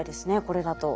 これだと。